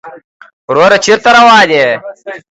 وروره چېرته روان يې؟